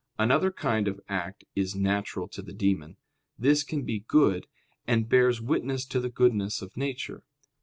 Another kind of act is natural to the demon; this can be good and bears witness to the goodness of nature.